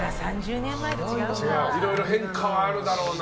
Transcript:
いろいろ変化はあるだろうな。